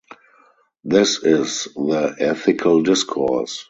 This is the ethical discourse.